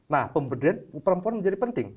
nah perempuan menjadi penting